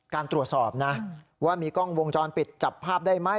การตรวจสอบนะว่ามีกล้องวงจรปิดจับภาพได้ไหม